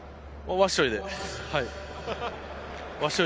はい。